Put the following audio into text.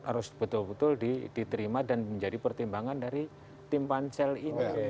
harus betul betul diterima dan menjadi pertimbangan dari tim pansel ini